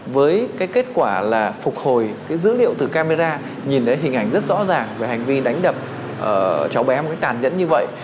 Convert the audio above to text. với cái kết quả là phục hồi cái dữ liệu từ camera nhìn thấy hình ảnh rất rõ ràng về hành vi đánh đập cháu bé một cái tàn nhẫn như vậy